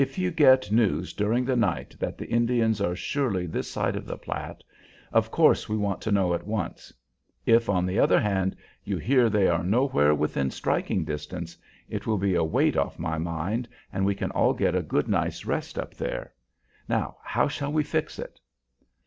"If you get news during the night that the Indians are surely this side of the Platte, of course we want to know at once; if, on the other hand, you hear they are nowhere within striking distance, it will be a weight off my mind and we can all get a good night's rest up there. Now, how shall we fix it?"